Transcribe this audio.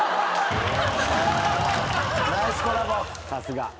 さすが。